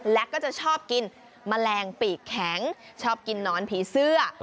และก็จะชอบกินแมลงปีกแข็งชอบกินนอนผีเสื้อ